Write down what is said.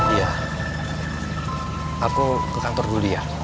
iya aku ke kantor dulu ya